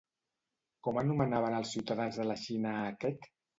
Com anomenaven els ciutadans de la Xina a aquest?